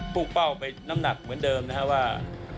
เป้าไปน้ำหนักเหมือนเดิมนะครับว่า